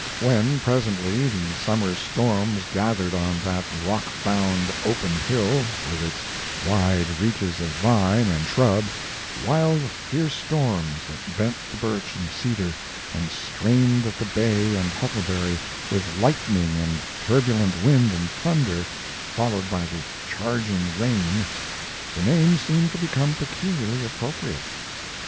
When, presently, the summer storms gathered on that rock bound, open hill, with its wide reaches of vine and shrub wild, fierce storms that bent the birch and cedar, and strained at the bay and huckleberry, with lightning and turbulent wind and thunder, followed by the charging rain the name seemed to become peculiarly appropriate.